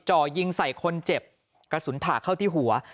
จ่อยิงใส่คนเจ็บกระสุนถาเข้าที่หัว